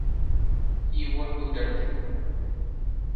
You won't do that.